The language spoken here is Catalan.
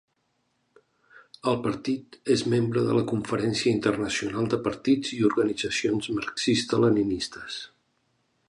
El partit és membre de la Conferència Internacional de Partits i Organitzacions Marxista-Leninistes.